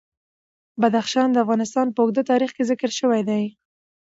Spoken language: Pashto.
بدخشان د افغانستان په اوږده تاریخ کې ذکر شوی دی.